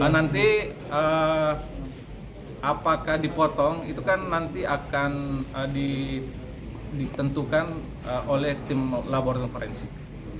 nanti apakah dipotong itu kan nanti akan ditentukan oleh tim laboratorium forensik